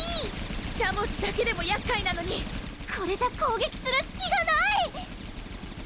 しゃもじだけでもやっかいなのにこれじゃ攻撃する隙がない！